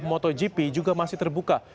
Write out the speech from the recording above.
pembangunan di lombok ntb juga masih terbuka